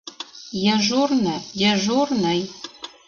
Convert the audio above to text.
Ежурно — дежурный.